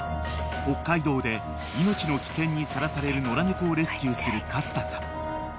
北海道で命の危険にさらされる野良猫をレスキューする勝田さん］